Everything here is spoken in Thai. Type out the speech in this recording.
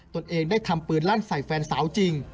ตนเองได้ทำร้ายทางแฟนสาวจริง